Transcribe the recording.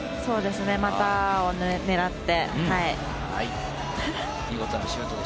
股を狙って。